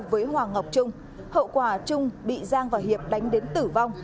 với hoàng ngọc trung hậu quả trung bị giang và hiệp đánh đến tử vong